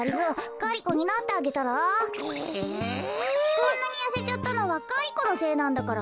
こんなにやせちゃったのはガリ子のせいなんだから。